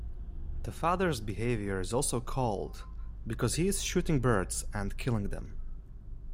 The father's behaviour is also cold because he is shooting birds and killing them.